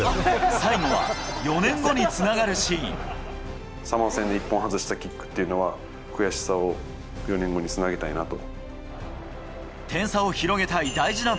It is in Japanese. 最後は４年後につながるシーサモア戦で１本外したキックっていうのは、悔しさを４年後につなげたいなと。